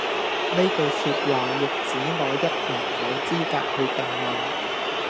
呢句說話，亦只我一人有資格去定論